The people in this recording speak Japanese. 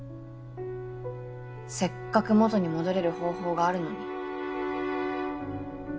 せっかく元に戻れる方法があるのに。